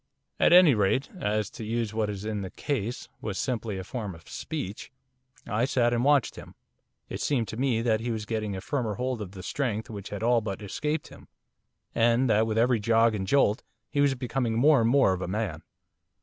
At any rate as to use what in this case, was simply a form of speech I sat and watched him, it seemed to me that he was getting a firmer hold of the strength which had all but escaped him, and that with every jog and jolt he was becoming more and more of a man.